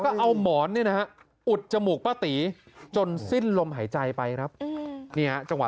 ก็เอาหมอนเนี่ยนะฮะอุดจมูกป้าตีจนสิ้นลมหายใจไปครับจังหวะ